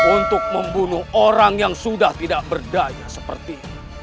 untuk membunuh orang yang sudah tidak berdaya seperti